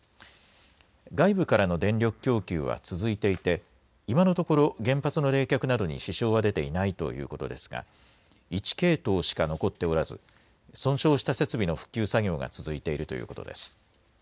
外部からの電力供給は続いていて、今のところ、原発の冷却などに支障は出ていないということですが、１系統しか残っておらず、損傷した設備の復旧作業が続いているということです。